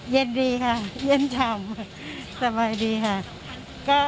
เย็นดีค่ะเย็นฉ่ำค่ะสบายดีค่ะ